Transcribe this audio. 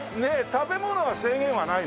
食べ物は制限はないの？